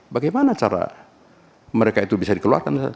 bagaimana cara mereka itu bisa dikeluarkan